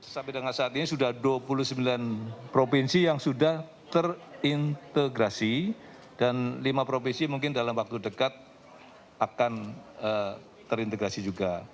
sampai dengan saat ini sudah dua puluh sembilan provinsi yang sudah terintegrasi dan lima provinsi mungkin dalam waktu dekat akan terintegrasi juga